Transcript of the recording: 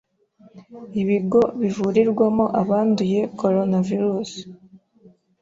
ibigo bivurirwamo abanduye coronavirus,